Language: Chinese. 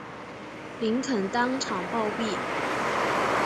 林肯当场暴毙。